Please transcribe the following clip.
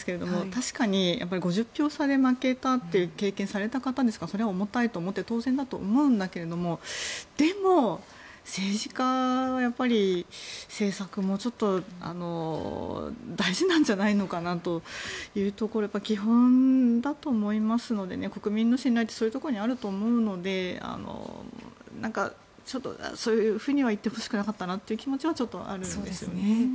確かに５０票差で負けたという経験をされた方ですからそれは重たいと思って当然だと思うんだけれどもでも、政治家は政策も大事なんじゃないかというところが基本だと思いますので国民の信頼ってそういうところにあると思うのでそういうふうには言ってほしくなかったなという気持ちはちょっとあるんですよね。